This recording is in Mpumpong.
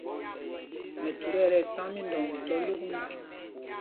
Mɛthut ɛ́ tí ɛsáŋ mídɔŋ mi tɔ̄ ɛlwók mîk.